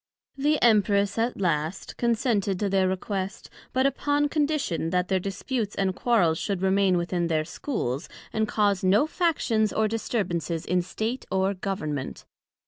The Empress at last consented to their request, but upon condition, that their disputes and quarrels should remain within their Schools, and cause no factions or disturbances in State, or Government.